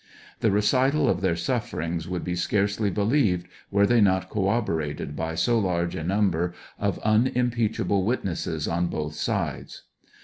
The recital of their sufferings would be scarcely believed were they not corroborated by so large a number of unimpeachable witnesses on both sides.